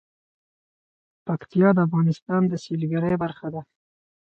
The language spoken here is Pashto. پکتیا د افغانستان د سیلګرۍ برخه ده.